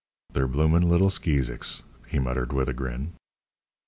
"Ther bloomin' little skeezicks," he muttered, with a grin.